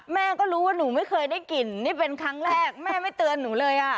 แม่ก็รู้ว่าหนูไม่เคยได้กลิ่นนี่เป็นครั้งแรกแม่ไม่เตือนหนูเลยอ่ะ